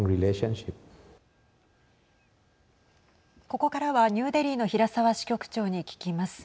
ここからはニューデリーの平沢支局長に聞きます。